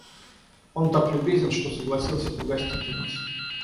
Он так любезен, что согласился погостить у нас.